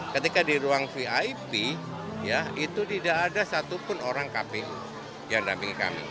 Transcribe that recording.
ketika di ruang vip itu tidak ada satupun orang kpu yang dampingi kami